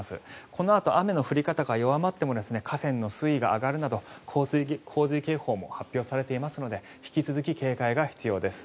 このあと雨の降り方が弱まっても河川の水位が上がるなど洪水警報も発表されていますので引き続き警戒が必要です。